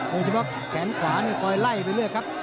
โรมศีลวิบแขนขวานี่ขอยไล่ไปเรื่อยครับ